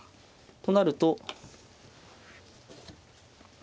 となると。